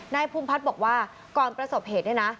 นายภูมิพัฒน์บอกว่าก่อนประสบเหตุเนี่ยนะ